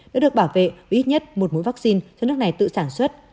đã được bảo vệ với ít nhất một mũi vaccine cho nước này tự sản xuất